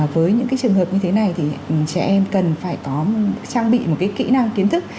với những trường hợp như thế này thì trẻ em cần phải có trang bị một cái kỹ năng kiến thức